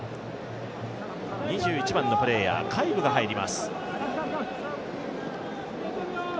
２１番のプレーヤーカイブが入ります。